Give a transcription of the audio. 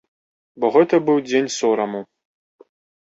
Бо гэта быў дзень сораму.